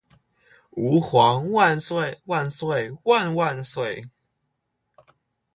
吾皇萬歲萬歲萬萬歲